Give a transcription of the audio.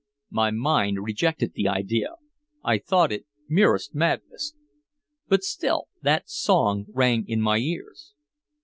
My mind rejected the idea, I thought it merest madness. But still that song rang in my ears.